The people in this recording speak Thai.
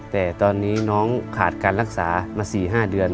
แต่ตอนนี้น้องขาดการรักษามา๔๕เดือน